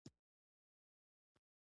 د ویښتانو ږمنځول د پوستکي مالش ته ګټه رسوي.